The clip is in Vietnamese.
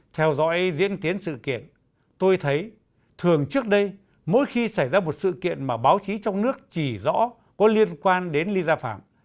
theo dõi diễn tiến sự kiện tôi thấy thường trước đây mỗi khi xảy ra một sự kiện mà báo chí trong nước chỉ rõ có liên quan đến ly gia phạm